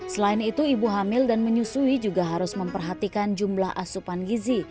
selain itu ibu hamil dan menyusui juga harus memperhatikan jumlah asupan gizi